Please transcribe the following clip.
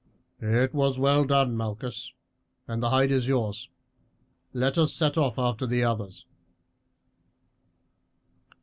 "It was well done, Malchus, and the hide is yours. Let us set off after the others."